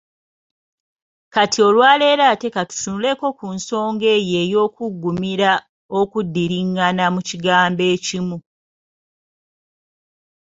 Kati olwaleero ate ka tutunuleko ku nsonga eyo ey’okuggumira okuddiringana mu kigambo ekimu.